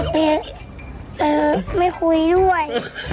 ไปไม่คุยด้วย